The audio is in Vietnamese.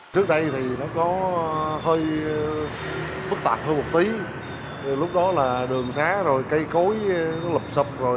trước đây thì nó có hơi bức tạp hơi một tí lúc đó là đường xá rồi cây cối lập sập rồi